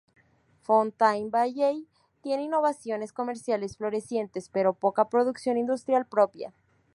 Fountain Valley tiene innovaciones comerciales florecientes pero poca producción industrial propia.